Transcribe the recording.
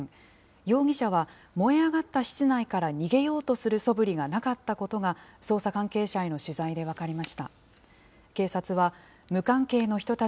容疑者は燃え上がった室内から逃げようとするそぶりがなかったことが、捜査関係者への取材で分かりました。